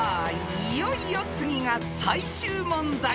いよいよ次が最終問題］